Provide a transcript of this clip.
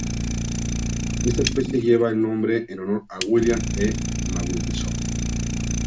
Esta especie lleva el nombre en honor a William E. Magnusson.